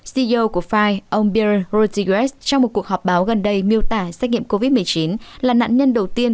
ceo của frye ông bill rodriguez trong một cuộc họp báo gần đây miêu tả xét nghiệm covid một mươi chín là nạn nhân đầu tiên